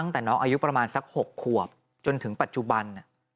ตั้งแต่น้องอายุประมาณสัก๖ขวบจนถึงปัจจุบัน